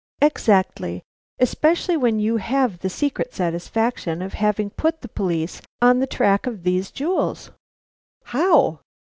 "Exactly! Especially when you have the secret satisfaction of having put the police on the track of these jewels." "How?"